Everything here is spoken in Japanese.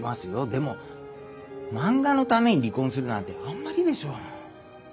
でも漫画のために離婚するなんてあんまりでしょ？